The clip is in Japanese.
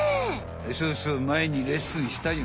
そうそうまえにレッスンしたよね。